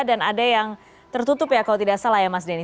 dan ada yang tertutup ya kalau tidak salah ya mas denny